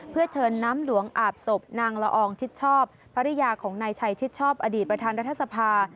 เพื่อเชิญน้ำหลวงอาบศพนางละอองชิดชอบภรรยาของนายชัยชิดชอบอดีตประธานรัฐสภา